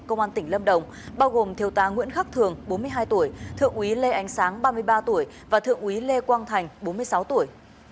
công an tỉnh lâm đồng bao gồm thiều tá nguyễn khắc thường bốn mươi hai tuổi thượng úy lê ánh sáng ba mươi ba tuổi và thượng úy lê quang thành bốn mươi sáu tuổi